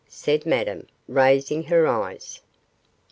said Madame, raising her eyes.